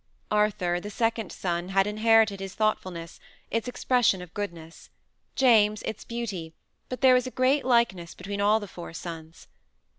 Arthur, the second son, had inherited its thoughtfulness, its expression of goodness; James, its beauty; but there was a great likeness between all the four sons.